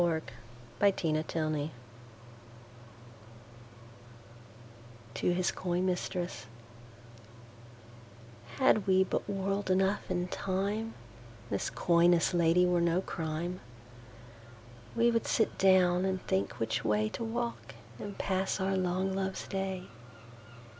1621–1678 Andrew Marvell To his Coy Mistress HAD we but World enough, and Time, This coyness Lady were no crime. We would sit down, and think which wayTo walk, and pass our long Loves Day.